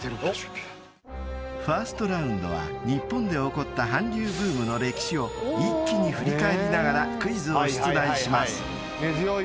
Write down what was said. ［ファーストラウンドは日本で起こった韓流ブームの歴史を一気に振り返りながらクイズを出題します］